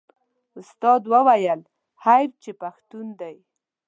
استاد وویل حیف چې پښتون دی.